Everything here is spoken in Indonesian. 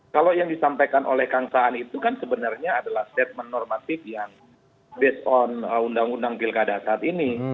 kalau yang disampaikan oleh kang saan itu kan sebenarnya adalah statement normatif yang based on undang undang pilkada saat ini